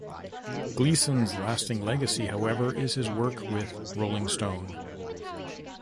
Gleason's lasting legacy, however, is his work with "Rolling Stone".